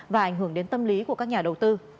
và ảnh hưởng đến tâm lý của các nhà đầu tư